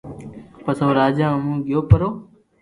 پسو او راجا اووہ گيو پرو